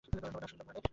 তোমার ডাক শুনলুম কানে।